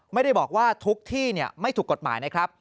ไม่ได้บอกว่าทุกที่ไม่ถูกกฎหมายนะครับ